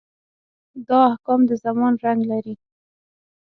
دا احکام د زمان رنګ لري.